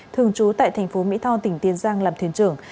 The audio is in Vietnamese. thường trú tại tp mỹ tho tỉnh tiên giang làm thuyền trưởng